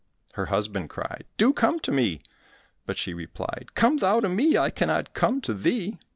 Her husband cried, "Do come to me," but she replied, "Come thou to me, I cannot come to thee."